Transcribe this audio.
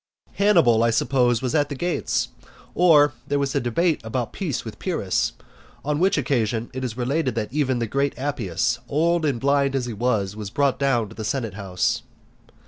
Hannibal, I suppose, was at the gates, or there was to be a debate about peace with Pyrrhus, on which occasion it is related that even the great Appius, old and blind as he was, was brought down to the senate house.